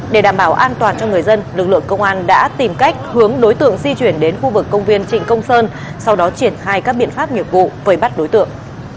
để đảm bảo an toàn cho người dân lực lượng công an đã tìm cách hướng đối tượng di chuyển đến khu vực công viên trịnh công sơn sau đó triển khai các biện pháp nghiệp vụ vây bắt đối tượng